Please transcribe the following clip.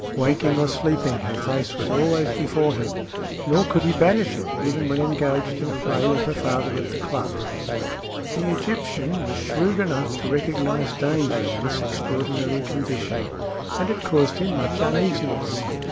Waking or sleeping, her face was always before him, nor could he banish it even when engaged in play with her father at the club. The Egyptian was shrewd enough to recognize danger in this extraordinary condition, and it caused him much uneasiness.